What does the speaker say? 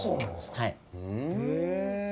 はい。